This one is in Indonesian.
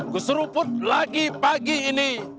keseruput lagi pagi ini